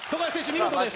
見事です！